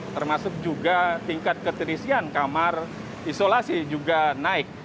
termasuk juga tingkat keterisian kamar isolasi juga naik